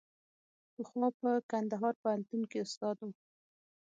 پخوا په کندهار پوهنتون کې استاد و.